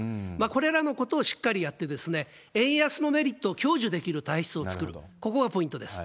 これらのことをしっかりやって、円安のメリットを享受できる体質を作ると、ここがポイントです。